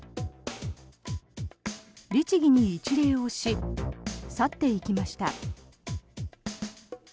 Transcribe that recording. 律儀に一礼をし去っていきました。